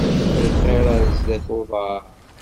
Lxiṛ, ar zdat uḍaṛ.